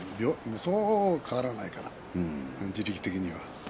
そうは変わらないから、地力的には。